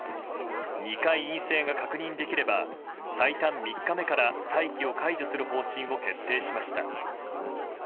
２回陰性が確認できれば最短３日目から待機を解除する方針を決定しました。